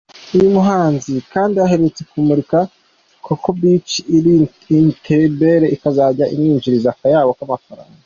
Uyu muhanzi kandi aherutse kumurika Coco Beach iri Entebbe ikazajya imwinjiriza akayabo k’amafaranga.